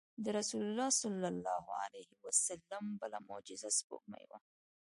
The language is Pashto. د رسول الله صلی الله علیه وسلم بله معجزه سپوږمۍ وه.